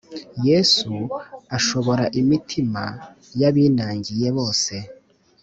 yesu ashobora imitima y'abinangiye bose,